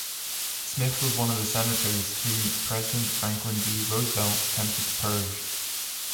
Smith was one of the senators whom President Franklin D. Roosevelt attempted to purge.